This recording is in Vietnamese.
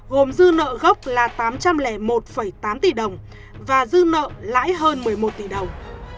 gồm dư nợ gốc là tám trăm linh một tám tỷ đồng và dư nợ lãi hơn một mươi một tỷ đồng